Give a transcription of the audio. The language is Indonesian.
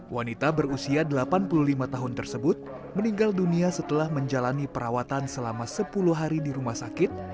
wanita berusia delapan puluh lima tahun tersebut meninggal dunia setelah menjalani perawatan selama sepuluh hari di rumah sakit